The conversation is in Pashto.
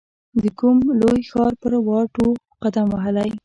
د کوم لوی ښار پر واټو قدم وهلی